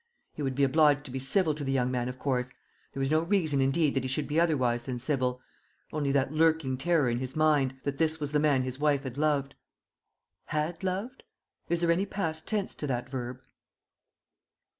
He would be obliged to be civil to the young man, of course. There was no reason indeed that he should be otherwise than civil only that lurking terror in his mind, that this was the man his wife had loved. Had loved? is there any past tense to that verb?